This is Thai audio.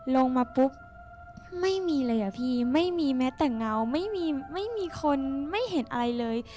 ลงมาปุ๊บไม่มีเลยอ่ะพี่ไม่มีแม้แต่เงาไม่มีไม่มีคนไม่เห็นอะไรเลย